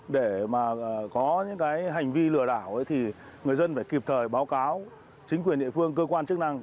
để mà có những cái hành vi lừa đảo thì người dân phải kịp thời báo cáo chính quyền địa phương cơ quan chức năng